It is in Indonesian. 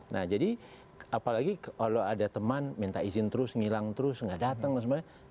nah jadi apalagi kalau ada teman minta izin terus ngilang terus nggak datang dan sebagainya